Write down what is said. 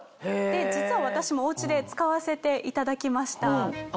実は私もおうちで使わせていただきました。